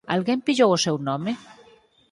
Alguén pillou o seu nome?